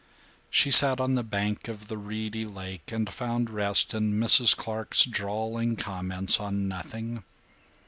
She sat on the bank of the reedy lake and found rest in Mrs. Clark's drawling comments on nothing.